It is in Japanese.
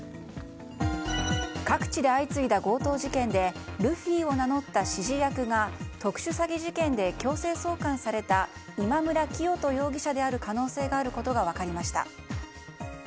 各地で相次いだ強盗事件でルフィを名乗った指示役が特殊詐欺事件で強制送還された今村磨人容疑者である可能性があることが分かりました。